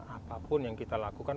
apapun yang kita lakukan